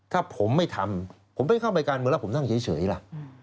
ถ้าผมไม่ทำผมไม่เข้าไปการเมืองแล้วผมนั่งเฉยล่ะ